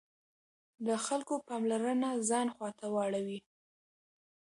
د خلکو پاملرنه ځان خواته واړوي.